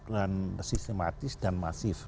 dan sistematis dan masif